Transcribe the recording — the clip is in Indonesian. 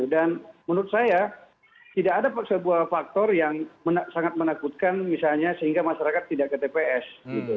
dan menurut saya tidak ada sebuah faktor yang sangat menakutkan misalnya sehingga masyarakat tidak ke tps